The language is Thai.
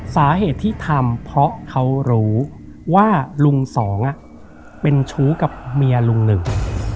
สาเหตุที่ทำเพราะเขารู้ว่าลุงสองเป็นชู้กับเมียลุงหนึ่ง